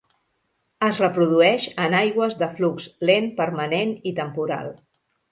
Es reprodueix en aigües de flux lent permanent i temporal.